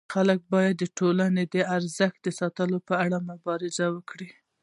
خلک باید د ټولني د ارزښتونو د ساتلو لپاره مبارزه وکړي.